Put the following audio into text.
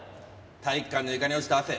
体育館の床に落ちた汗